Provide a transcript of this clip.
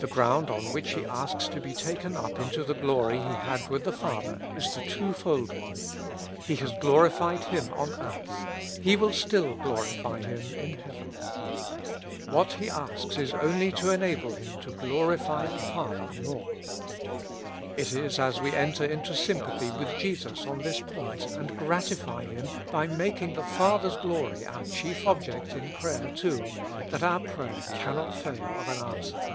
The ground on which he asks to be taken up into 157 With Christ in the School of Prayer. the glory He had with the Father, is the twofold one : He has glorified Him on earth; He will still glorify Him in heaven. What He asks is only to enable Him to glorify the Father more. It is as we enter into sympathy with Jesus on this point, and gratify Him by making the Father's glory our chief object in prayer too, that our prayer cannot fail of an answer.